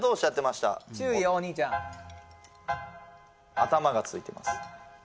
頭がついてます